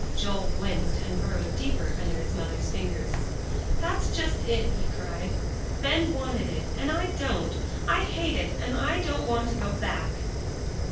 Joel winced and burrowed deeper under his mother's fingers. "That's just it," he cried. "Ben wanted it, and I don't. I hate it, and I don't want to go back."